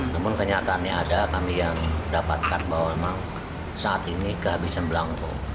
namun kenyataannya ada kami yang dapatkan bahwa memang saat ini kehabisan belangko